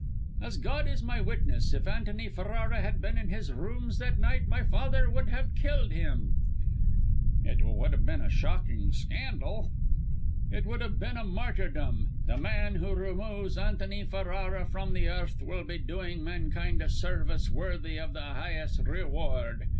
"As God is my witness, if Antony Ferrara had been in his rooms that night, my father would have killed him!" "It would have been a shocking scandal." "It would have been a martyrdom. The man who removes Antony Ferrara from the earth will be doing mankind a service worthy of the highest reward.